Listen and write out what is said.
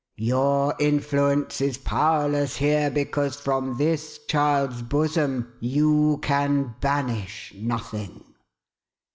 Your influence is powerless here, because from this child's bosom you can banish nothing.